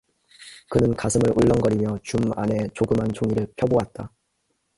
그는 가슴을 울렁거리며 줌 안의 조그만 종이를 펴보았다.